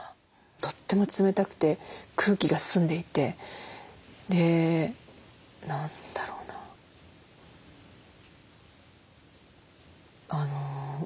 とっても冷たくて空気が澄んでいてで何だろうなあの。